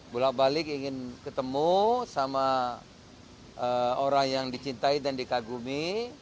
bolak balik ingin ketemu sama orang yang dicintai dan dikagumi